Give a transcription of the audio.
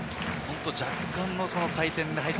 若干の回転がね。